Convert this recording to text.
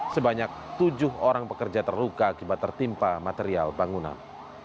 sebanyak tujuh orang pekerja terluka akibat tertimpa material bangunan